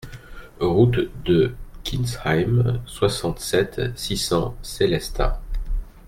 Route de Kintzheim, soixante-sept, six cents Sélestat